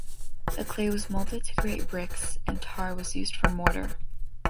The clay was molded to create bricks, and tar was used for mortar.